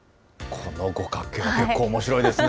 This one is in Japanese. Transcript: この五角形、結構おもしろいですね。